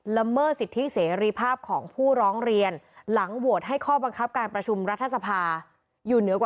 ละเมิดสิทธิเสรีภาพของผู้ร้องเรียนหลังโหวตให้ข้อบังคับการประชุมรัฐสภาอยู่เหนือกว่า